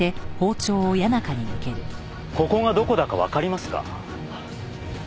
ここがどこだかわかりますか？